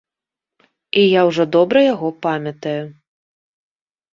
І я ўжо добра яго памятаю.